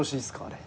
あれ。